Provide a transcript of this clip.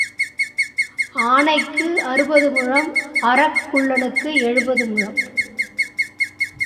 ஆனைக்கு அறுபது முழம், அறக்குள்ளனுக்கு எழுபது முழம்.